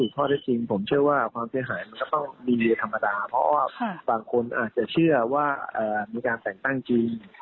เพราะว่าบางคนอาจจะเชื่อว่ามีการแต่งตั้งจริง